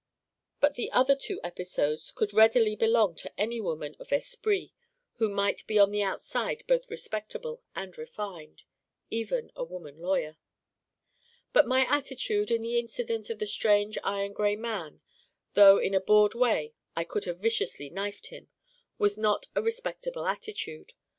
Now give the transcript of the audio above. But the other two episodes could readily belong to any woman of esprit who might be on the outside both Respectable and Refined: even a woman lawyer. But my attitude in the incident of the strange iron gray man, though in a bored way I could have viciously knifed him, was not a Respectable attitude.